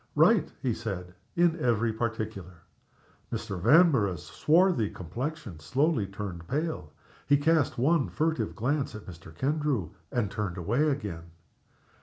"Right," he said, "in every particular." Mr. Vanborough's swarthy complexion slowly turned pale. He cast one furtive glance at Mr. Kendrew, and turned away again.